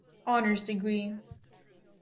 Honors degree.